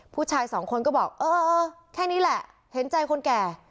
ผู้ชายสองคนก็บอกเออแค่นี้แหละเห็นใจคนแก่